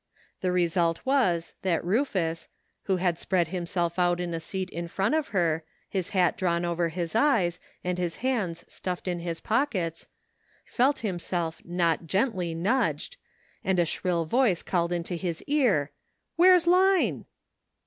The result was that Rufus, who had spread himself out in a seat in front of her, his hat drawn over his eyes, and his hands stuffed in his pockets, felt himself not gently nudged, and a shiill voice called into his ear, "Where's Line?"